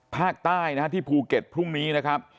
ภาคใต้นะฮะที่ภูเก็ตพรุ่งนี้นะครับ